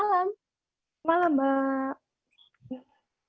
selamat malam mbak